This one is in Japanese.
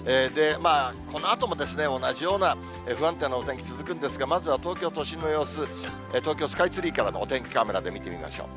このあとも同じような不安定なお天気続くんですが、まずは東京都心の様子、東京スカイツリーからのお天気カメラで見てみましょう。